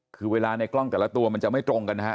คือเวลาในกล้องแต่ละตัวมันจะไม่ตรงกันนะฮะ